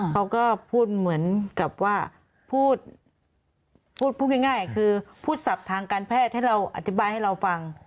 เขาก็พูดเหมือนกับว่าพูดพูดง่ายคือพูดศัพท์ทางการแพทย์ให้เราอธิบายให้เราฟัง